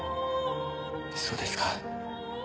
そうですか。